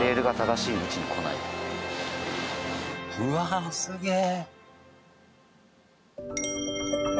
うわあすげえ！